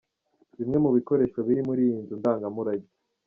Bimwe mu bikoresho biri muri iyi nzu ndangamurage.